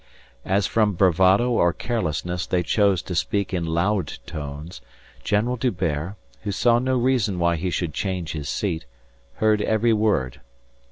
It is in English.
As from bravado or carelessness they chose to speak in loud tones, General D'Hubert, who saw no reason why he should change his seat, heard every word.